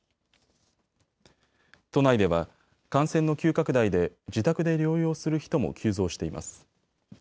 都内では感染の急拡大で自宅で療養する人も急増しています。